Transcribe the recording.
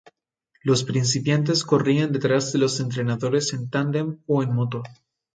Los participantes corrían detrás de entrenadores en tándem o en moto.